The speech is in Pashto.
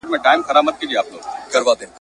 انسان نپوهيږي، چي بيا به ئې توبه قبوله سي که يه؟